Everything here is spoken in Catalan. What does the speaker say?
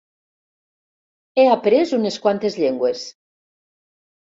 He après unes quantes llengües.